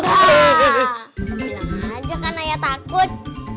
bilang aja kan ayah takut